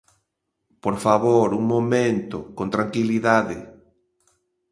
Por favor, un momento, con tranquilidade.